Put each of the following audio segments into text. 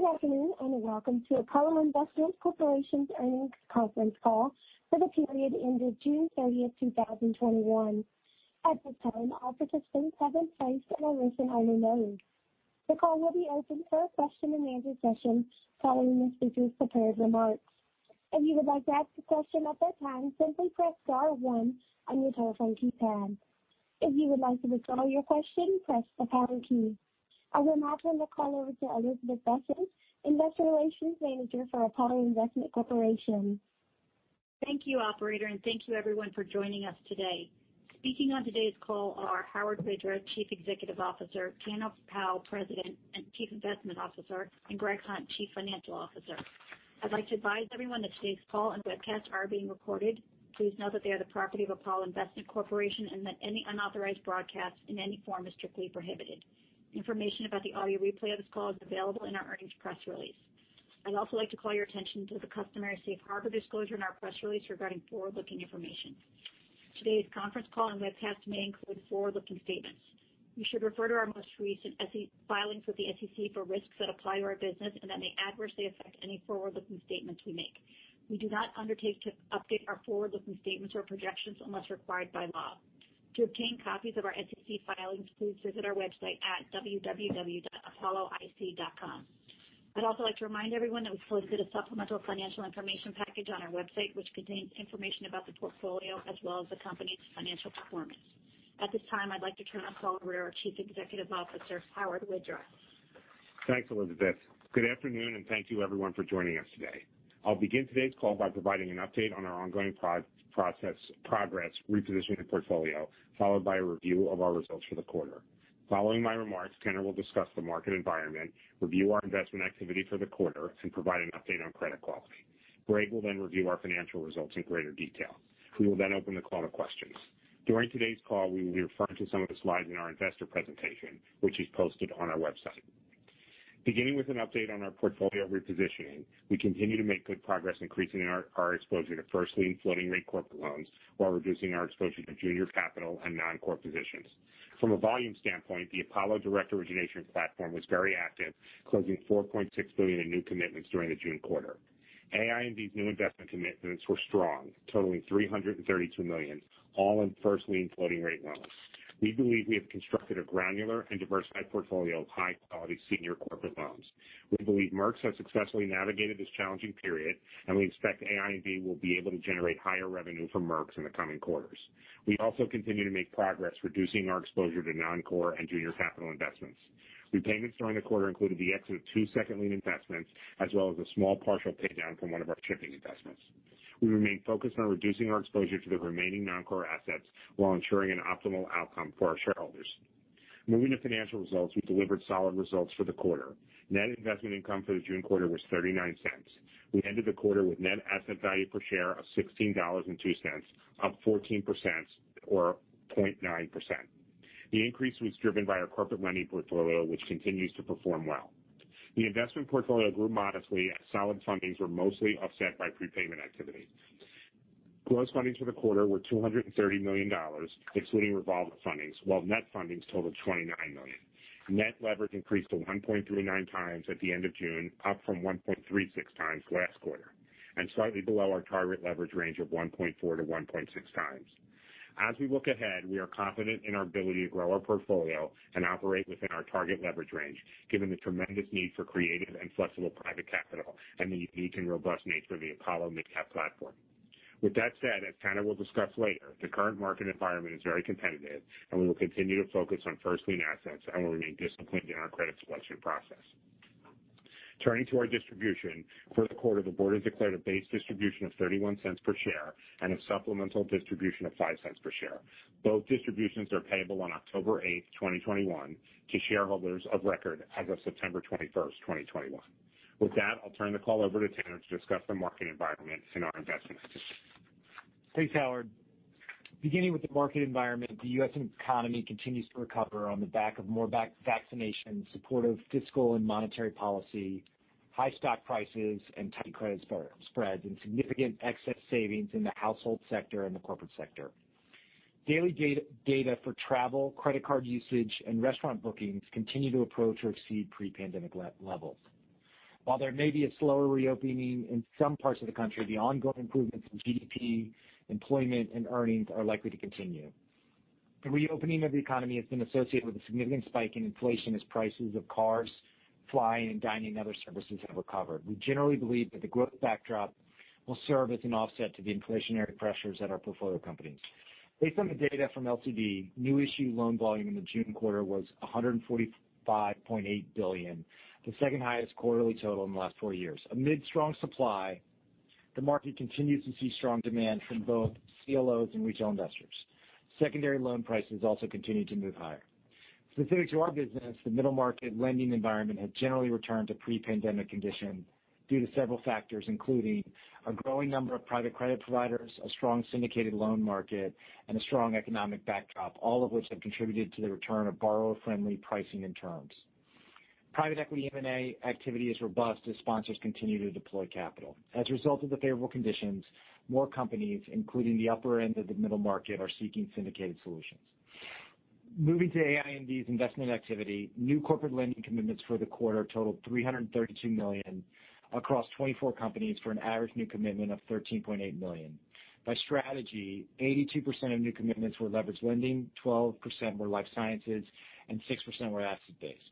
Good afternoon, welcome to Apollo Investment Corporation's earnings conference call for the period ended June 30th, 2021. At the time, all participants are in a listen-only mode. The call will have a question-and-answer session following the company's prepared remarks. And if you would like to ask a question at that time, simply press star one on your telephone keypad. If you would like to withdraw your question, press the pound key. I will now turn the call over to Elizabeth Besen, Investor Relations Manager for Apollo Investment Corporation. Thank you, operator, and thank you everyone for joining us today. Speaking on today's call are Howard Widra, Chief Executive Officer, Tanner Powell, President and Chief Investment Officer, and Greg Hunt, Chief Financial Officer. I'd like to advise everyone that today's call and webcast are being recorded. Please know that they are the property of Apollo Investment Corporation and that any unauthorized broadcast in any form is strictly prohibited. Information about the audio replay of this call is available in our earnings press release. I'd also like to call your attention to the customary safe harbor disclosure in our press release regarding forward-looking information. Today's conference call and webcast may include forward-looking statements. You should refer to our most recent filings with the SEC for risks that apply to our business and that may adversely affect any forward-looking statements we make. We do not undertake to update our forward-looking statements or projections unless required by law. To obtain copies of our SEC filings, please visit our website at www.apolloic.com. I'd also like to remind everyone that we've posted a supplemental financial information package on our website, which contains information about the portfolio as well as the company's financial performance. At this time, I'd like to turn the call over to our Chief Executive Officer, Howard Widra. Thanks, Elizabeth. Good afternoon, and thank you everyone for joining us today. I'll begin today's call by providing an update on our ongoing progress repositioning the portfolio, followed by a review of our results for the quarter. Following my remarks, Tanner Powell will discuss the market environment, review our investment activity for the quarter, and provide an update on credit quality. Greg Hunt will then review our financial results in greater detail. We will then open the call to questions. During today's call, we will be referring to some of the slides in our investor presentation, which is posted on our website. Beginning with an update on our portfolio repositioning, we continue to make good progress increasing our exposure to first-lien floating rate corporate loans while reducing our exposure to junior capital and non-core positions. From a volume standpoint, the Apollo direct origination platform was very active, closing $4.6 billion in new commitments during the June quarter. AINV's new investment commitments were strong, totaling $332 million, all in first-lien floating rate loans. We believe we have constructed a granular and diversified portfolio of high-quality senior corporate loans. We believe Merx have successfully navigated this challenging period, and we expect AINV will be able to generate higher revenue from Merx in the coming quarters. We also continue to make progress reducing our exposure to non-core and junior capital investments. Repayments during the quarter included the exit of two second-lien investments, as well as a small partial pay down from one of our shipping investments. We remain focused on reducing our exposure to the remaining non-core assets while ensuring an optimal outcome for our shareholders. Moving to financial results, we delivered solid results for the quarter. Net investment income for the June quarter was $0.39. We ended the quarter with net asset value per share of $16.02, up 14% or 0.9%. The increase was driven by our corporate lending portfolio, which continues to perform well. The investment portfolio grew modestly as solid fundings were mostly offset by prepayment activity. Gross fundings for the quarter were $230 million, excluding revolver fundings, while net fundings totaled $29 million. Net leverage increased to 1.39x at the end of June, up from 1.36x last quarter, and slightly below our target leverage range of 1.4-1.6x. As we look ahead, we are confident in our ability to grow our portfolio and operate within our target leverage range, given the tremendous need for creative and flexible private capital and the unique and robust nature of the Apollo MidCap platform. With that said, as Tanner will discuss later, the current market environment is very competitive, and we will continue to focus on first-lien assets and will remain disciplined in our credit selection process. Turning to our distribution. For the quarter, the board has declared a base distribution of $0.31 per share and a supplemental distribution of $0.05 per share. Both distributions are payable on October 8th, 2021, to shareholders of record as of September 21st, 2021. With that, I'll turn the call over to Tanner to discuss the market environment and our investment decisions. Thanks, Howard. Beginning with the market environment, the U.S. economy continues to recover on the back of more vaccinations, supportive fiscal and monetary policy, high stock prices and tight credit spreads, and significant excess savings in the household sector and the corporate sector. Daily data for travel, credit card usage, and restaurant bookings continue to approach or exceed pre-pandemic levels. While there may be a slower reopening in some parts of the country, the ongoing improvements in GDP, employment, and earnings are likely to continue. The reopening of the economy has been associated with a significant spike in inflation as prices of cars, flying, dining, and other services have recovered. We generally believe that the growth backdrop will serve as an offset to the inflationary pressures at our portfolio companies. Based on the data from LCD, new issue loan volume in the June quarter was $145.8 billion, the second highest quarterly total in the last four years. Amid strong supply, the market continues to see strong demand from both CLOs and retail investors. Secondary loan prices also continue to move higher. Specific to our business, the middle market lending environment has generally returned to pre-pandemic condition due to several factors, including a growing number of private credit providers, a strong syndicated loan market, and a strong economic backdrop, all of which have contributed to the return of borrower-friendly pricing and terms. Private equity M&A activity is robust as sponsors continue to deploy capital. As a result of the favorable conditions, more companies, including the upper end of the middle market, are seeking syndicated solutions. Moving to AINV's investment activity. New corporate lending commitments for the quarter totaled $332 million across 24 companies for an average new commitment of $13.8 million. By strategy, 82% of new commitments were leveraged lending, 12% were life sciences, and 6% were asset-based.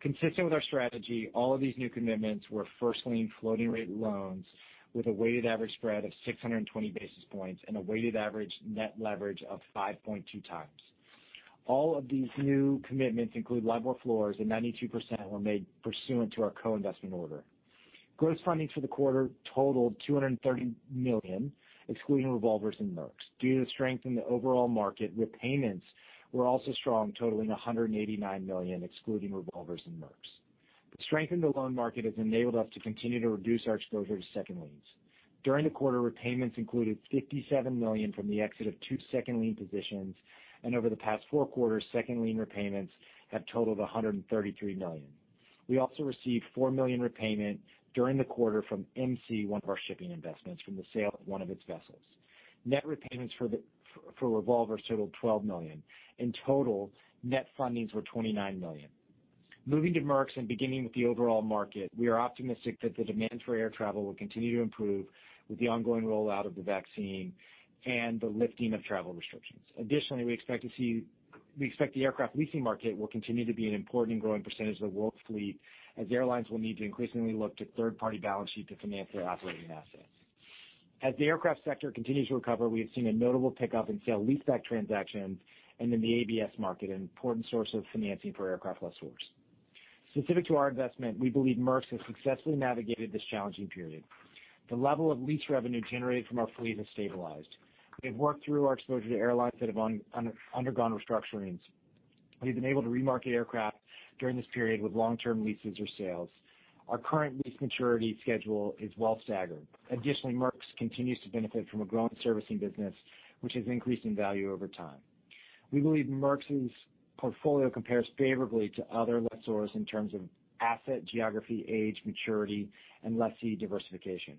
Consistent with our strategy, all of these new commitments were first lien floating rate loans with a weighted average spread of 620 basis points and a weighted average net leverage of 5.2x. All of these new commitments include LIBOR floors and 92% were made pursuant to our co-investment order. Gross fundings for the quarter totaled $230 million, excluding revolvers and Merx. Due to the strength in the overall market, repayments were also strong, totaling $189 million, excluding revolvers and Merx. The strength in the loan market has enabled us to continue to reduce our exposure to second liens. During the quarter, repayments included $57 million from the exit of two second lien positions, and over the past four quarters, second lien repayments have totaled $133 million. We also received $4 million repayment during the quarter from MC, one of our shipping investments, from the sale of one of its vessels. Net repayments for revolvers totaled $12 million. In total, net fundings were $29 million. Moving to Merx and beginning with the overall market. We are optimistic that the demand for air travel will continue to improve with the ongoing rollout of the vaccine and the lifting of travel restrictions. Additionally, we expect the aircraft leasing market will continue to be an important and growing percentage of the world's fleet, as airlines will need to increasingly look to third-party balance sheet to finance their operating assets. As the aircraft sector continues to recover, we have seen a notable pickup in sale-leaseback transactions and in the ABS market, an important source of financing for aircraft lessors. Specific to our investment, we believe Merx has successfully navigated this challenging period. The level of lease revenue generated from our fleet has stabilized. We have worked through our exposure to airlines that have undergone restructurings. We've been able to remarket aircraft during this period with long-term leases or sales. Our current lease maturity schedule is well staggered. Additionally, Merx continues to benefit from a growing servicing business, which has increased in value over time. We believe Merx's portfolio compares favorably to other lessors in terms of asset geography, age, maturity, and lessee diversification.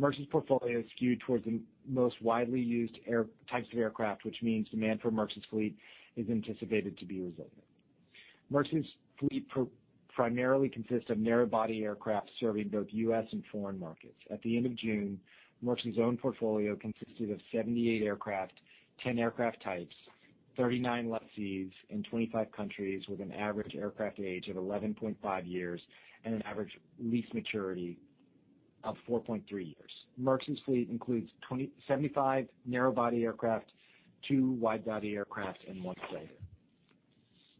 Merx's portfolio is skewed towards the most widely used types of aircraft, which means demand for Merx's fleet is anticipated to be resilient. Merx's fleet primarily consists of narrow-body aircraft serving both U.S. and foreign markets. At the end of June, Merx's own portfolio consisted of 78 aircraft, 10 aircraft types, 39 lessees in 25 countries, with an average aircraft age of 11.5 years and an average lease maturity of 4.3 years. Merx's fleet includes 75 narrow-body aircraft, two wide-body aircraft, and 1 freighter.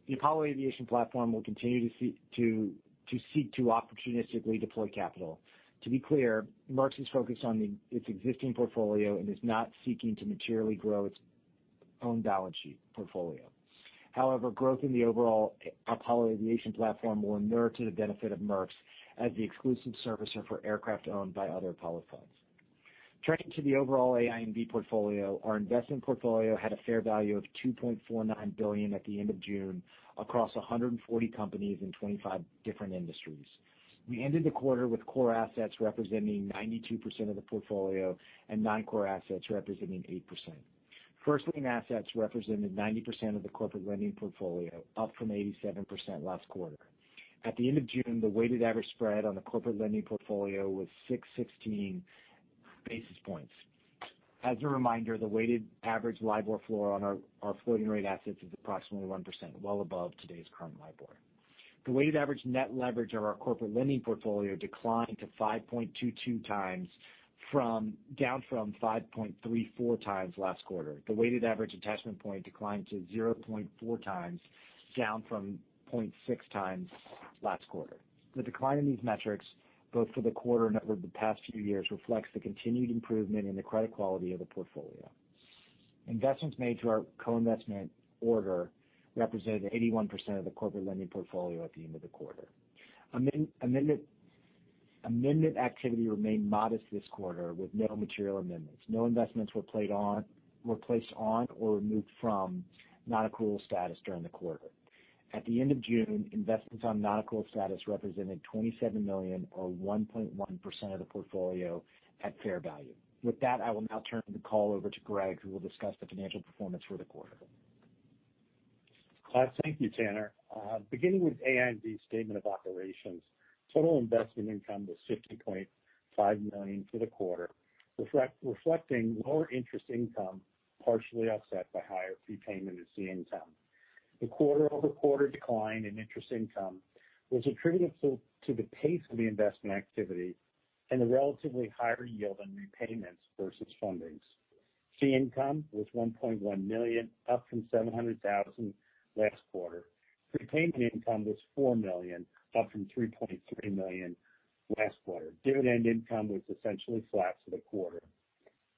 The Apollo aviation platform will continue to seek to opportunistically deploy capital. To be clear, Merx is focused on its existing portfolio and is not seeking to materially grow its own balance sheet portfolio. However, growth in the overall Apollo aviation platform will inure to the benefit of Merx as the exclusive servicer for aircraft owned by other Apollo funds. Turning to the overall AINV portfolio. Our investment portfolio had a fair value of $2.49 billion at the end of June across 140 companies in 25 different industries. We ended the quarter with core assets representing 92% of the portfolio and non-core assets representing 8%. First lien assets represented 90% of the corporate lending portfolio, up from 87% last quarter. At the end of June, the weighted average spread on the corporate lending portfolio was 616 basis points. As a reminder, the weighted average LIBOR floor on our floating rate assets is approximately 1%, well above today's current LIBOR. The weighted average net leverage of our corporate lending portfolio declined to 5.22x, down from 5.34x last quarter. The weighted average attachment point declined to 0.4x, down from 0.6x last quarter. The decline in these metrics, both for the quarter and over the past few years, reflects the continued improvement in the credit quality of the portfolio. Investments made to our co-investment order represented 81% of the corporate lending portfolio at the end of the quarter. Amendment activity remained modest this quarter with no material amendments. No investments were placed on or removed from non-accrual status during the quarter. At the end of June, investments on non-accrual status represented $27 million or 1.1% of the portfolio at fair value. With that, I will now turn the call over to Greg, who will discuss the financial performance for the quarter. Thank you, Tanner. Beginning with AINV's statement of operations. Total investment income was $50.5 million for the quarter, reflecting lower interest income, partially offset by higher fee payment and fee income. The quarter-over-quarter decline in interest income was attributable to the pace of the investment activity and the relatively higher yield on repayments versus fundings. Fee income was $1.1 million, up from $700,000 last quarter. Prepayment income was $4 million, up from $3.3 million last quarter. Dividend income was essentially flat for the quarter.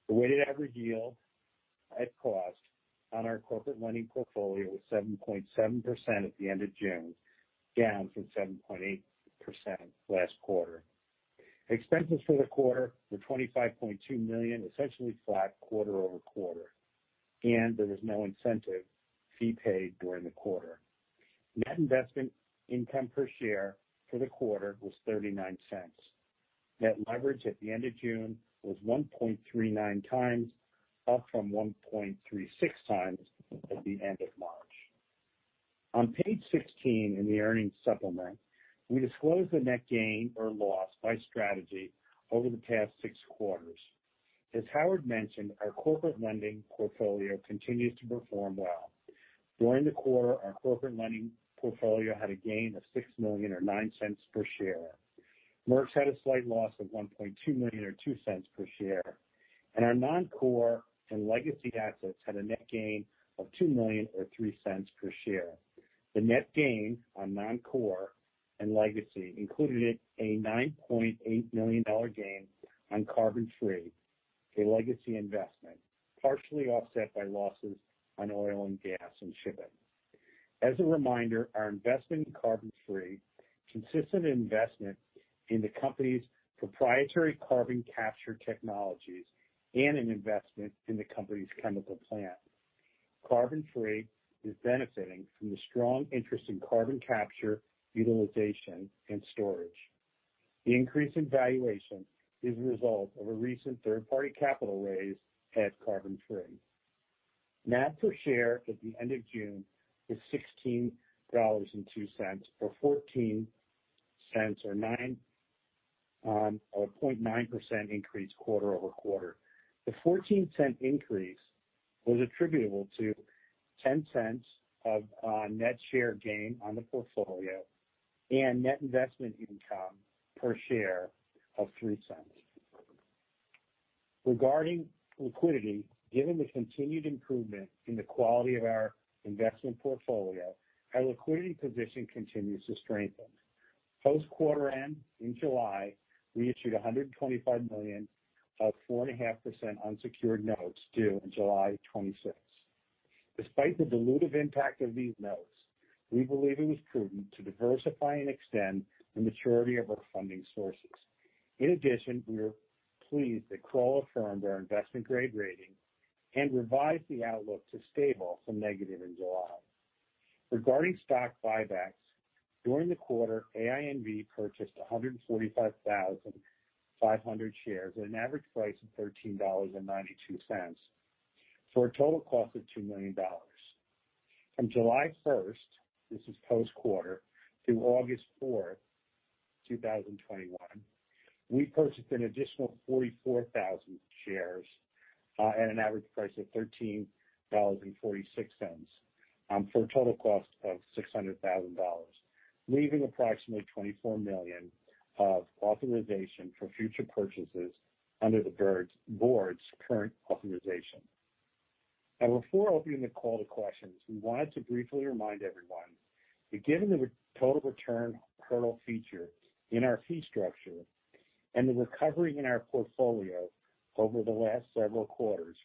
The weighted-average yield at cost on our corporate lending portfolio was 7.7% at the end of June, down from 7.8% last quarter. Expenses for the quarter were $25.2 million, essentially flat quarter-over-quarter. There was no incentive fee paid during the quarter. Net investment income per share for the quarter was $0.39. Net leverage at the end of June was 1.39x, up from 1.36x at the end of March. On page 16 in the earnings supplement, we disclose the net gain or loss by strategy over the past six quarters. As Howard mentioned, our corporate lending portfolio continues to perform well. During the quarter, our corporate lending portfolio had a gain of $6 million or $0.09 per share. Merx had a slight loss of $1.2 million or $0.02 per share. Our non-core and legacy assets had a net gain of $2 million or $0.03 per share. The net gain on non-core and legacy included a $9.8 million gain on Carbonfree, a legacy investment, partially offset by losses on oil and gas and shipping. As a reminder, our investment in Carbonfree consists of an investment in the company's proprietary carbon capture technologies and an investment in the company's chemical plant. Carbonfree is benefiting from the strong interest in carbon capture, utilization, and storage. The increase in valuation is a result of a recent third-party capital raise at Carbonfree. NAV per share at the end of June is $16.02, or $0.14, or 0.9% increase quarter-over-quarter. The $0.14 increase was attributable to $0.10 of net share gain on the portfolio and net investment income per share of $0.03. Regarding liquidity, given the continued improvement in the quality of our investment portfolio, our liquidity position continues to strengthen. Post quarter-end in July, we issued $125 million of 4.5% unsecured notes due on July 26th. Despite the dilutive impact of these notes, we believe it was prudent to diversify and extend the maturity of our funding sources. In addition, we are pleased that Kroll affirmed our investment-grade rating and revised the outlook to stable from negative in July. Regarding stock buybacks, during the quarter, AINV purchased 145,500 shares at an average price of $13.92 for a total cost of $2 million. From July 1st, this is post-quarter, to August 4th, 2021, we purchased an additional 44,000 shares at an average price of $13.46 for a total cost of $600,000, leaving approximately $24 million of authorization for future purchases under the board's current authorization. Now, before opening the call to questions, we wanted to briefly remind everyone that given the total return hurdle feature in our fee structure and the recovery in our portfolio over the last several quarters,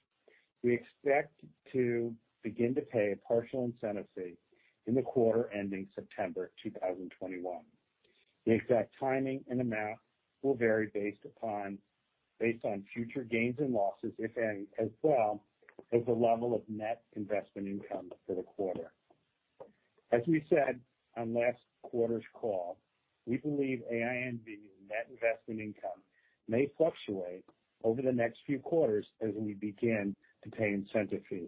we expect to begin to pay a partial incentive fee in the quarter ending September 2021. The exact timing and amount will vary based on future gains and losses, if any, as well as the level of net investment income for the quarter. As we said on last quarter's call, we believe AINV net investment income may fluctuate over the next few quarters as we begin to pay incentive fees.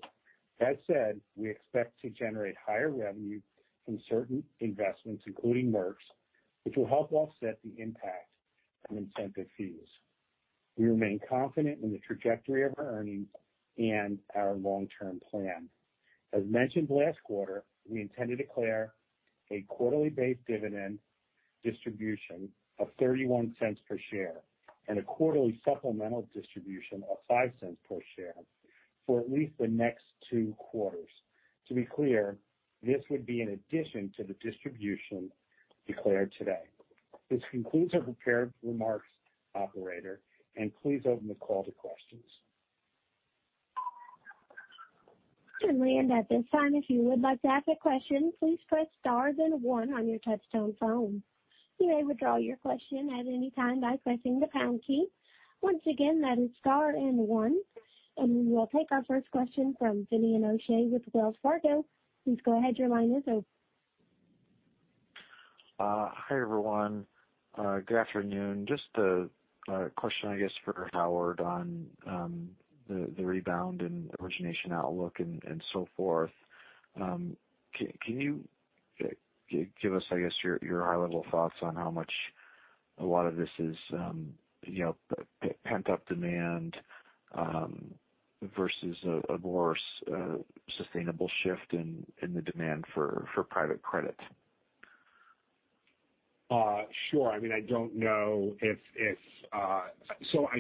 That said, we expect to generate higher revenue from certain investments, including Merx, which will help offset the impact of incentive fees. We remain confident in the trajectory of our earnings and our long-term plan. As mentioned last quarter, we intend to declare a quarterly base dividend distribution of $0.31 per share and a quarterly supplemental distribution of $0.05 per share for at least the next two quarters. To be clear, this would be in addition to the distribution declared today. This concludes our prepared remarks, operator, please open the call to questions. At this time, if you would like to ask a question, please press star then one on your touchtone phone. You may withdraw your question at any time by pressing the pound key. Once again, that is star and one, and we will take our first question from Finian O'Shea with Wells Fargo. Please go ahead, your line is open. Hi, everyone. Good afternoon. A question, I guess, for Howard on the rebound and origination outlook and so forth. Can you give us, I guess, your high-level thoughts on how much a lot of this is pent-up demand versus a more sustainable shift in the demand for private credit? Sure. I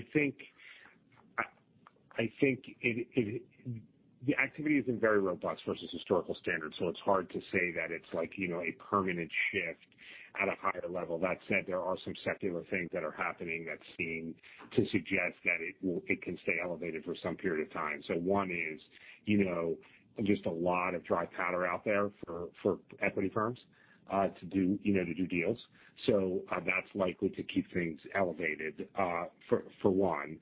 think the activity has been very robust versus historical standards, so it's hard to say that it's a permanent shift at a higher level. That said, there are some secular things that are happening that seem to suggest that it can stay elevated for some period of time. One is, just a lot of dry powder out there for equity firms. To do deals. That's likely to keep things elevated for one.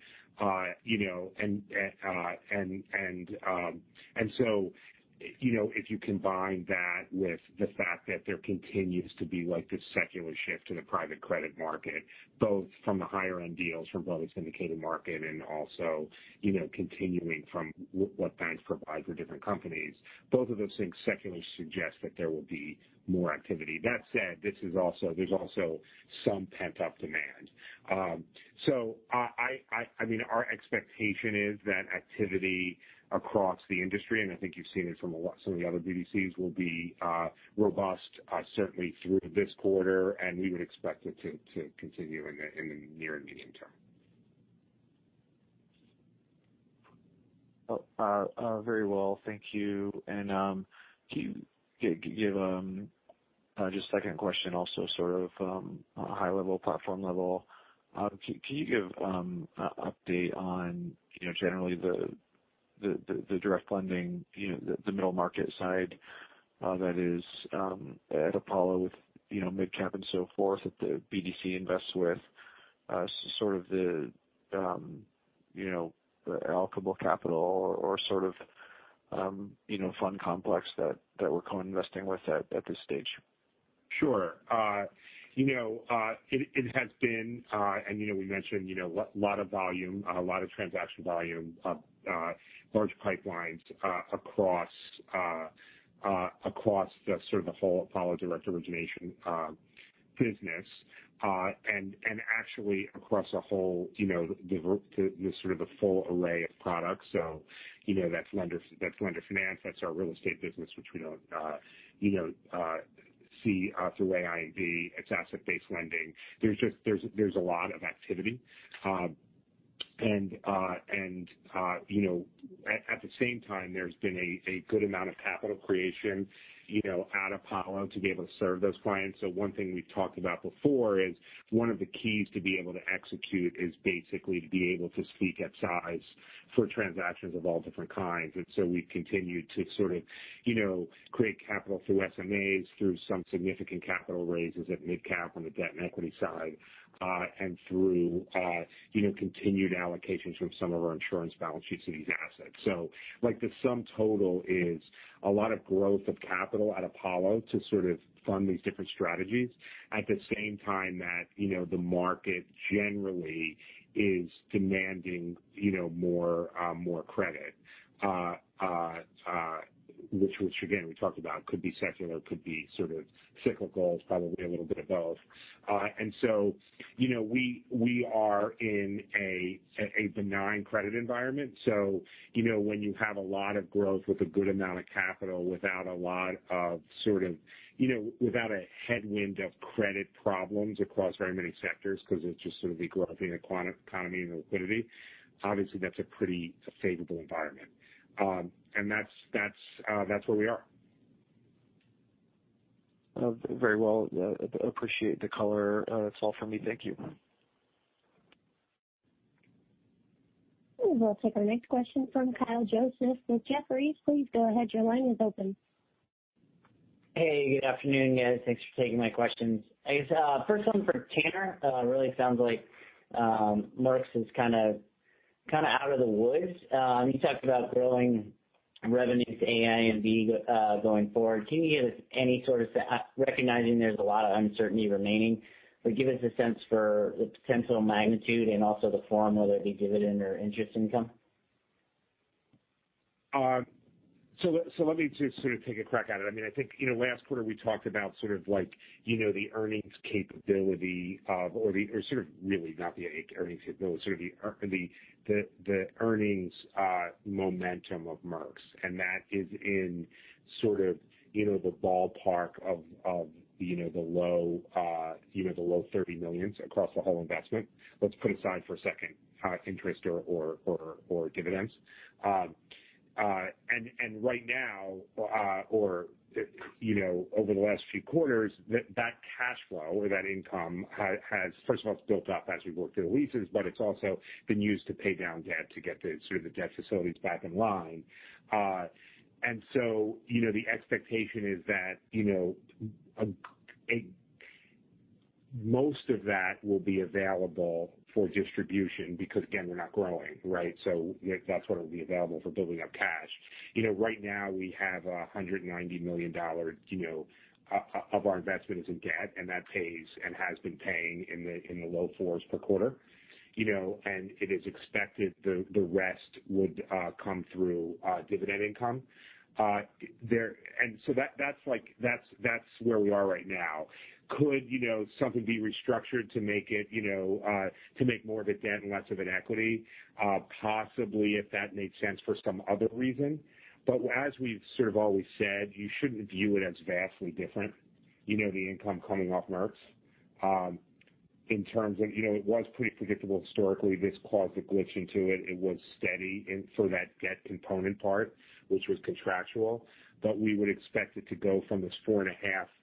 If you combine that with the fact that there continues to be this secular shift to the private credit market, both from the higher end deals from public syndicated market, and also continuing from what banks provide for different companies, both of those things secularly suggest that there will be more activity. That said, there's also some pent-up demand. Our expectation is that activity across the industry, and I think you've seen it from some of the other BDCs, will be robust certainly through this quarter, and we would expect it to continue in the near and medium term. Very well, thank you. Just second question also sort of high level, platform level. Can you give update on generally the direct funding, the middle market side that is at Apollo with MidCap and so forth that the BDC invests with, sort of the allocable capital or sort of fund complex that we're co-investing with at this stage? Sure. It has been, we mentioned a lot of transaction volume, large pipelines across the sort of the whole Apollo direct origination business. Actually across the sort of the full array of products. That's lender finance, that's our real estate business, which we don't see through AINV, it's asset-based lending. There's a lot of activity. At the same time, there's been a good amount of capital creation at Apollo to be able to serve those clients. One thing we've talked about before is one of the keys to be able to execute is basically to be able to speak at size for transactions of all different kinds. We've continued to sort of create capital through SMAs, through some significant capital raises at MidCap on the debt and equity side, and through continued allocations from some of our insurance balance sheets to these assets. Like the sum total is a lot of growth of capital at Apollo to sort of fund these different strategies at the same time that the market generally is demanding more credit, which again, we talked about could be secular, could be sort of cyclical. It's probably a little bit of both. We are in a benign credit environment. When you have a lot of growth with a good amount of capital without a headwind of credit problems across very many sectors because it's just sort of degloving the economy and liquidity, obviously that's a pretty favorable environment. That's where we are. Very well. I appreciate the color. That's all for me. Thank you. We'll take our next question from Kyle Joseph with Jefferies. Hey, good afternoon, guys. Thanks for taking my questions. I guess first one for Tanner. Really sounds like Merx's is kind of out of the woods. You talked about growing revenues at AINV going forward. Recognizing there's a lot of uncertainty remaining, but give us a sense for the potential magnitude and also the form, whether it be dividend or interest income. Let me just sort of take a crack at it. I think last quarter we talked about sort of the earnings capability of, or sort of really not the earnings capability, sort of the earnings momentum of Merx's. That is in sort of the ballpark of the low $30 million across the whole investment. Let's put aside for a second interest or dividends. Right now or over the last few quarters, that cash flow or that income has first of all, it's built up as we've worked through the leases, but it's also been used to pay down debt to get the sort of the debt facilities back in line. The expectation is that most of that will be available for distribution because again, we're not growing, right? That's what it will be available for building up cash. Right now we have $190 million of our investment is in debt, and that pays and has been paying in the low fours per quarter. It is expected the rest would come through dividend income. That's where we are right now. Could something be restructured to make more of a debt and less of an equity? Possibly if that made sense for some other reason. As we've sort of always said, you shouldn't view it as vastly different, the income coming off Merx's. In terms of, it was pretty predictable historically. This caused a glitch into it. It was steady for that debt component part, which was contractual, but we would expect it to go from this $4.5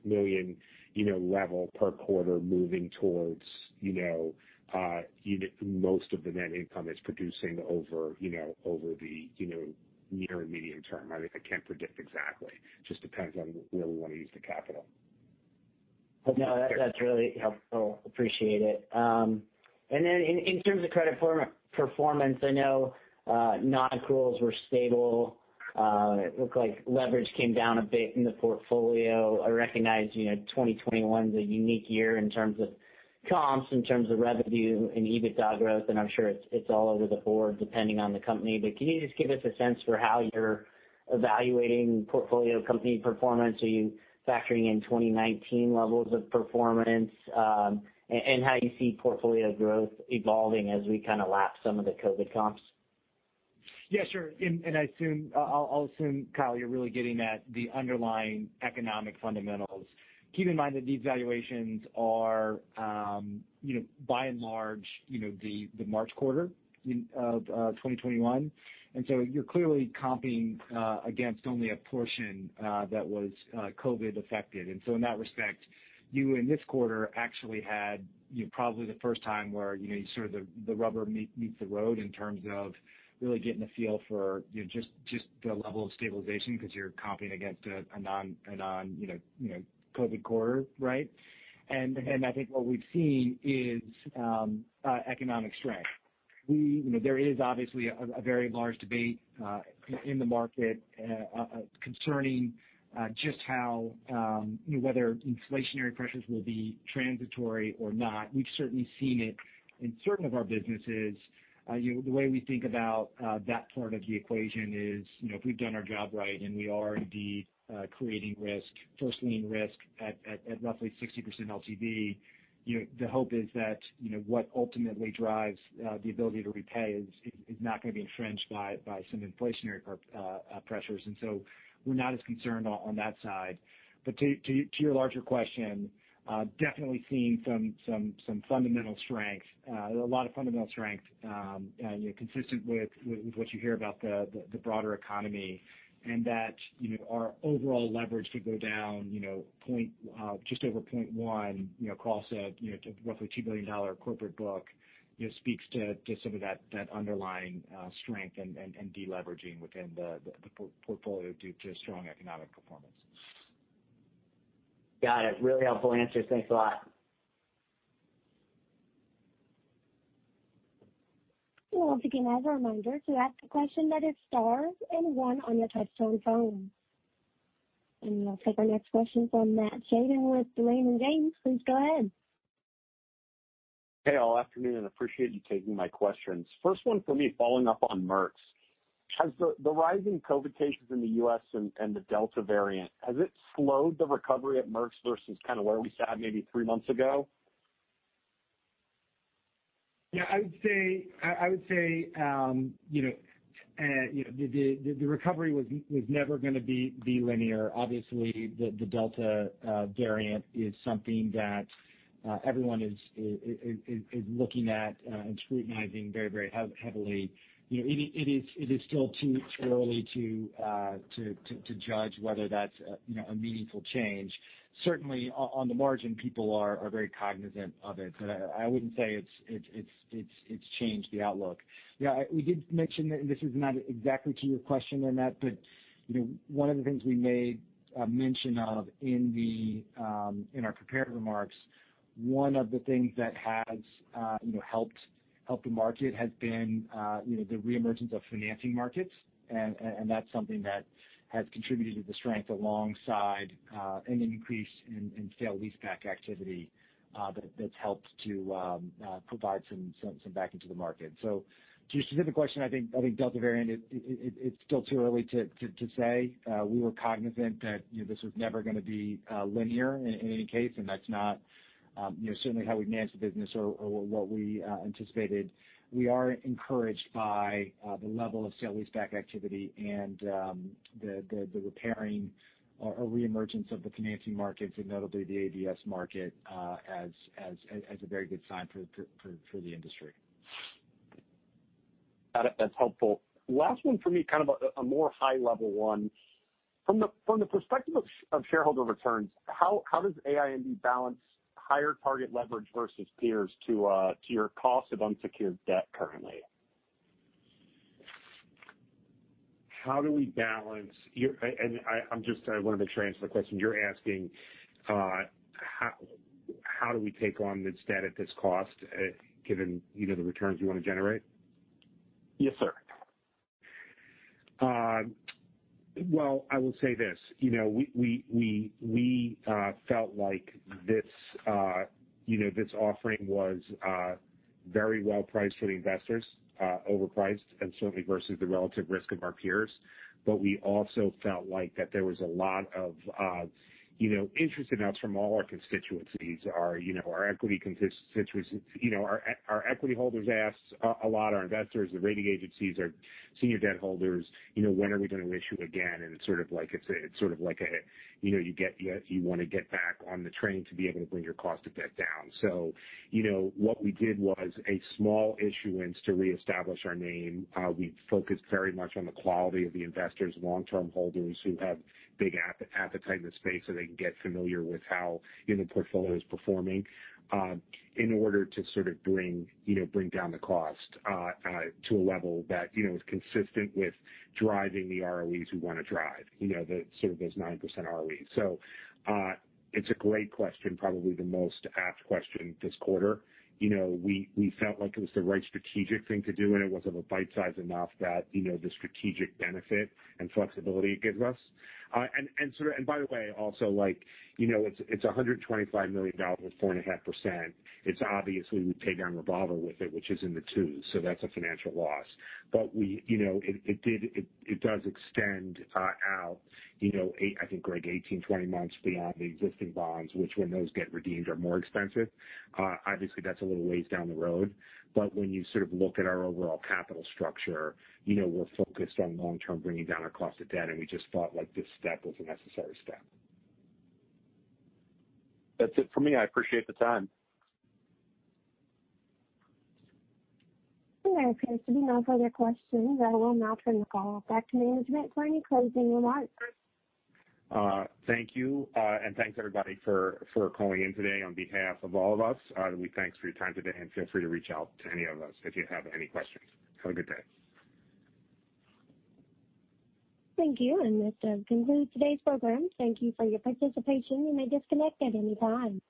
million level per quarter moving towards most of the net income it's producing over the near and medium term. I can't predict exactly. Just depends on where we want to use the capital. No, that's really helpful. Appreciate it. In terms of credit performance, I know nonaccruals were stable. It looked like leverage came down a bit in the portfolio. I recognize 2021 is a unique year in terms of comps, in terms of revenue and EBITDA growth, and I'm sure it's all over the board depending on the company. Can you just give us a sense for how you're evaluating portfolio company performance? Are you factoring in 2019 levels of performance? How you see portfolio growth evolving as we kind of lap some of the COVID comps? Yeah, sure. I'll assume, Kyle, you're really getting at the underlying economic fundamentals. Keep in mind that these valuations are by and large the March quarter of 2021, and so you're clearly comping against only a portion that was COVID affected. In that respect, you in this quarter actually had probably the first time where the rubber meets the road in terms of really getting a feel for just the level of stabilization because you're comping against a non-COVID quarter, right? I think what we've seen is economic strength. There is obviously a very large debate in the market concerning just whether inflationary pressures will be transitory or not. We've certainly seen it in certain of our businesses. The way we think about that part of the equation is, if we've done our job right and we are indeed creating risk, first lien risk at roughly 60% LTV, the hope is that what ultimately drives the ability to repay is not going to be infringed by some inflationary pressures. We're not as concerned on that side. To your larger question, definitely seeing some fundamental strength, a lot of fundamental strength consistent with what you hear about the broader economy, and that our overall leverage to go down just over 0.1. Kyle said roughly $2 billion corporate book speaks to some of that underlying strength and de-leveraging within the portfolio due to strong economic performance. Got it. Really helpful answers. Thanks a lot. Once again, as a reminder, to ask a question, dial star and one on your touch-tone phone. We'll take our next question from Matt Saden with Ladenburg Thalmann. Please go ahead. Hey, all. Appreciate you taking my questions. First one for me, following up on Merx. Has the rising COVID cases in the U.S. and the Delta variant, has it slowed the recovery at Merx versus kind of where we sat maybe three months ago? Yeah, I would say the recovery was never going to be linear. Obviously, the Delta variant is something that everyone is looking at and scrutinizing very heavily. It is still too early to judge whether that's a meaningful change. Certainly on the margin, people are very cognizant of it, but I wouldn't say it's changed the outlook. Yeah, we did mention that this is not exactly to your question on that, but one of the things we made mention of in our prepared remarks, one of the things that has helped the market has been the reemergence of financing markets, and that's something that has contributed to the strength alongside an increase in sale leaseback activity that's helped to provide some back into the market. To your specific question, I think Delta variant, it's still too early to say. We were cognizant that this was never going to be linear in any case, and that's not certainly how we manage the business or what we anticipated. We are encouraged by the level of sale leaseback activity and the repairing or reemergence of the financing markets, and notably the ABS market, as a very good sign for the industry. Got it. That's helpful. Last one for me, kind of a more high level one. From the perspective of shareholder returns, how does AINV balance higher target leverage versus peers to your cost of unsecured debt currently? I want to make sure I answer the question. You're asking how do we take on this debt at this cost given the returns we want to generate? Yes, sir. I will say this. We felt like this offering was very well priced for the investors, overpriced, and certainly versus the relative risk of our peers. We also felt like that there was a lot of interest in us from all our constituencies. Our equity holders asked a lot, our investors, the rating agencies, our senior debt holders, when are we going to issue again? It's sort of like you want to get back on the train to be able to bring your cost of debt down. What we did was a small issuance to reestablish our name. We focused very much on the quality of the investors, long-term holders who have big appetite in the space so they can get familiar with how the portfolio is performing in order to sort of bring down the cost to a level that is consistent with driving the ROEs we want to drive, sort of those 9% ROEs. It's a great question, probably the most asked question this quarter. We felt like it was the right strategic thing to do, and it was of a bite size enough that the strategic benefit and flexibility it gives us. By the way, also, it's $125 million, 4.5%. It's obvious we would pay down revolver with it, which is in the twos, so that's a financial loss. It does extend out I think, Greg, 18, 20 months beyond the existing bonds, which when those get redeemed, are more expensive. Obviously, that's a little ways down the road. When you sort of look at our overall capital structure, we're focused on long-term bringing down our cost of debt, and we just thought this step was a necessary step. That's it for me. I appreciate the time. There appears to be no further questions. I will now turn the call back to management for any closing remarks. Thank you, and thanks everybody for calling in today on behalf of all of us. We thanks for your time today, and feel free to reach out to any of us if you have any questions. Have a good day. Thank you. This does conclude today's program. Thank you for your participation. You may disconnect at any time.